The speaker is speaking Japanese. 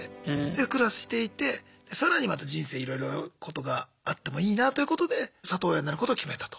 で暮らしていってで更にまた人生いろいろなことがあってもいいなということで里親になることを決めたと。